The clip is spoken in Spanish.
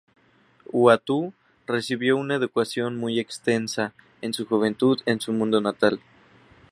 Uatu recibió una educación muy extensa en su juventud en su mundo natal.